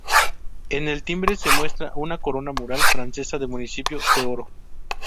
En el "timbre", se muestra una corona mural francesa de municipio, "de oro".